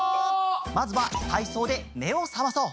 まずはたいそうでめをさまそう！